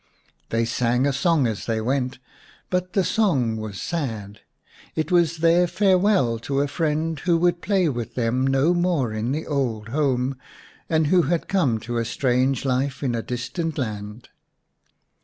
They sang a song as they went, but the song was sad. It was their farewell to a friend who would play with them no more in the old home, and who had come to a strange life in a distant land.